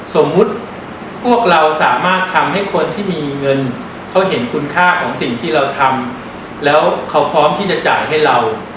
สมมุติพวกเราสามารถทำให้คนที่มีเงินเขาเห็นคุณค่าของสิ่งที่เราทำแล้วเขาพร้อมที่จะจ่ายให้เรา